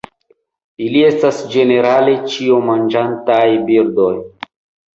Ili estas ĝenerale ĉiomanĝantaj birdoj.